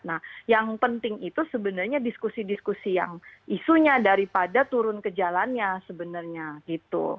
nah yang penting itu sebenarnya diskusi diskusi yang isunya daripada turun ke jalannya sebenarnya gitu